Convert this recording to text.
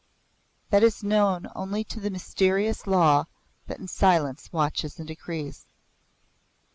That is known only to the mysterious Law that in silence watches and decrees.